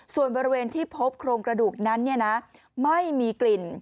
ส่วนบริเวณที่พบโครงกระดูกนั้นไม่มีกลิ่น